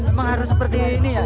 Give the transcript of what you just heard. memang harus seperti ini ya